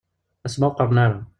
Asma ur qqaren ara.